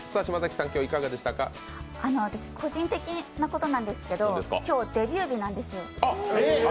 私、個人的なことなんですけれども、今日、デビュー日なんですよ。